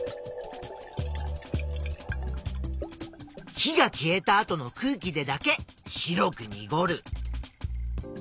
火が消えた後の空気でだけ白くにごる。